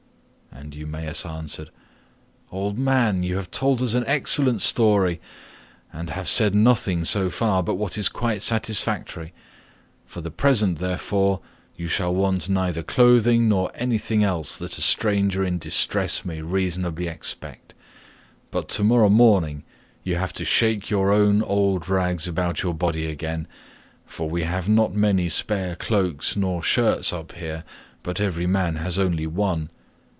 And Eumaeus answered, "Old man, you have told us an excellent story, and have said nothing so far but what is quite satisfactory; for the present, therefore, you shall want neither clothing nor anything else that a stranger in distress may reasonably expect, but to morrow morning you have to shake your own old rags about your body again, for we have not many spare cloaks nor shirts up here, but every man has only one.